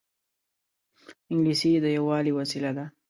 انګلیسي د یووالي وسیله ده